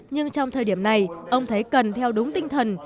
nhưng trong thời điểm này ông thấy cần theo đúng tinh thần